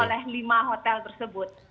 oleh lima hotel tersebut